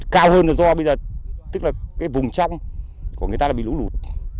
cao hơn là do bây giờ tức là vùng trong của người ta bị lũ lụt